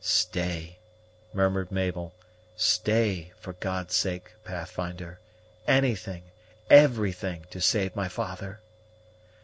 "Stay," murmured Mabel, "stay, for God's sake, Pathfinder! Anything, everything to save my father!"